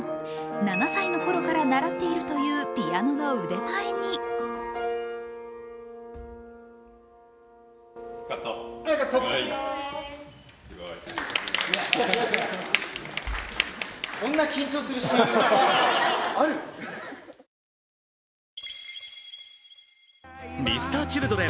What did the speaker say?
７歳のころから習っているというピアノの腕前にＭｒ．Ｃｈｉｌｄｒｅｎ